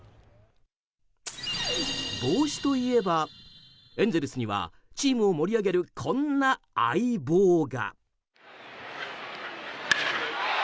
帽子といえば、エンゼルスにはチームを盛り上げるこんな「相帽」が。